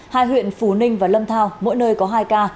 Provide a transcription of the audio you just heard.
hai huyện phú ninh và lâm thao mỗi nơi có hai ca